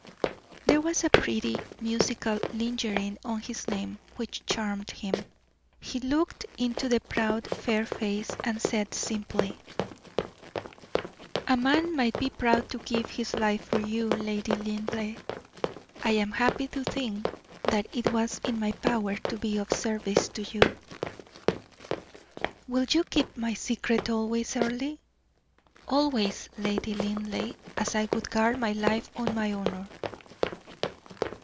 There was a pretty, musical lingering on his name which charmed him. He looked into the proud, fair face, and said, simply: "A man might be proud to give his life for you, Lady Linleigh. I am happy to think that it was in my power to be of service to you." "You will keep my secret always, Earle?" "Always, Lady Linleigh, as I would guard my life or my honor."